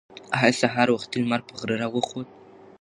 ایا سهار وختي لمر په غره راوخوت؟